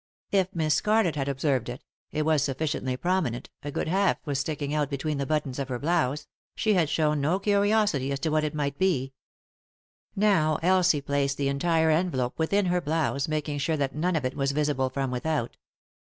If Miss Scarlett had observed it— it was sufficiently prominent, a good half was sticking out between the buttons of her blouse — she had shown no curiosity as to what it might be. Now Elsie placed the entire envelope within her blouse, making sure that none of it was visible from without.